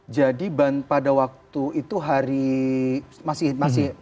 jadi pada waktu itu hari masih hari kedua selanjutnya